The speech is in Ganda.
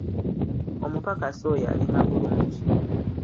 Omupakasi oyo alima bulungi.